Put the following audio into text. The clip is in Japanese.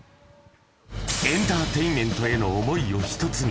エンターテインメントへの想いを一つに！